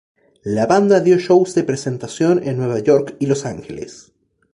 La banda dio shows de presentación en Nueva York y Los Ángeles.